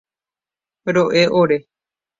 Ro'e ore.